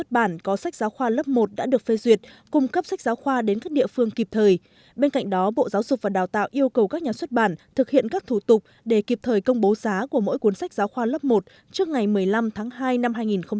bộ giáo dục và đào tạo yêu cầu các nhà xuất bản thực hiện các thủ tục để kịp thời công bố giá của mỗi cuốn sách giáo khoa lớp một trước ngày một mươi năm tháng hai năm hai nghìn hai mươi